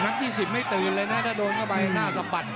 น้ำที่สิบไม่ตื่นเลยนะถ้าเดินเข้าเลยหน้าสะบัด